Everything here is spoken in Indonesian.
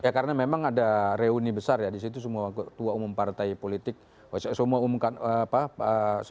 ya karena memang ada reuni besar ya di situ semua ketua umum partai politik semua ketua umum pan yang pernah menjelaskan